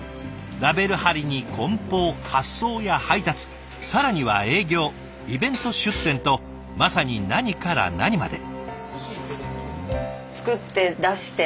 ラベル貼りに梱包発送や配達更には営業イベント出店とまさに何から何まで。